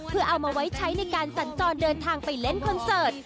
เพื่อเอามาไว้ใช้ในการสัญจรเดินทางไปเล่นคอนเสิร์ต